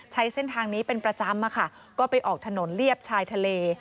ใช้เส้นทางนี้เป็นประจำอะค่ะก็ไปออกถนนเลียบชายทะเล